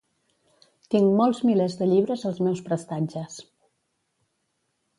Tinc molts milers de llibres als meus prestatges.